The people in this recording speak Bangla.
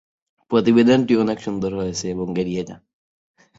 পরবর্তীতে তিনি ইতালীয় রিভিয়েরায় বসবাস করেছেন।